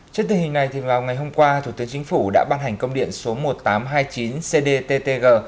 trước tình hình này vào ngày hôm qua thủ tướng chính phủ đã ban hành công điện số một nghìn tám trăm hai mươi chín cdttg